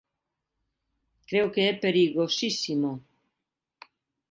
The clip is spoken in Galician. Creo que é perigosísimo.